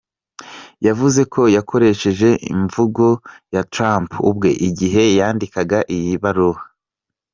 Yavuze ko yakoresheje imvugo ya Trump ubwe, igihe yandikaga iyi baruwa.